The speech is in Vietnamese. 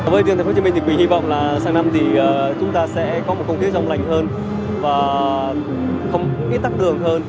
với tphcm thì tôi hy vọng là sáng năm thì chúng ta sẽ có một không khí rộng lành hơn và không ít tắt đường hơn